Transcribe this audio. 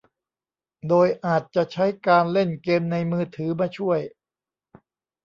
โดยอาจจะใช้การเล่นเกมในมือถือมาช่วย